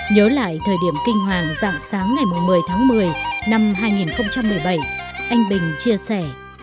nhớ lại thời điểm kinh hoàng dạng sáng ngày một mươi tháng một mươi năm hai nghìn một mươi bảy anh bình chia sẻ